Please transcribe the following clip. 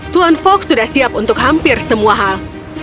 tuhan fogg sudah siap untuk hampir semua hal